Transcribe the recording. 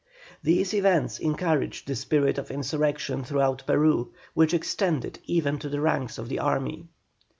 These events encouraged the spirit of insurrection throughout Peru, which extended even into the ranks of the army.